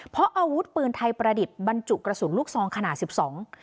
เพราะอาวุธปืนไทยประดิษฐ์บรรจุกระสุนลูกซองขนาดสิบสอง